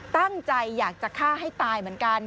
ตั้งใจอยากจะฆ่าให้ตายเหมือนกัน